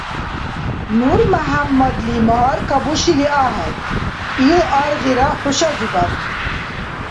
НурмяхӀямадли магьар кабушили ахӀен или аргъира хӀушазибад?